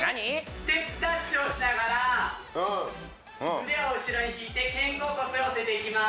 ステップタッチをしながら腕を後ろに引いて肩甲骨寄せていきます